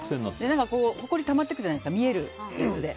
ほこりたまっていくじゃないですか見えるやつで。